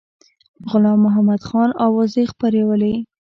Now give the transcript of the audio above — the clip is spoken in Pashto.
غلام محمدخان اوازې خپرولې.